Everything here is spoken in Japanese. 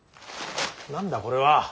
何だこれは。